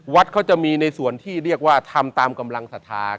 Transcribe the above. วัดเขาจะมีในส่วนที่เรียกว่าทำตามกำลังศรัทธา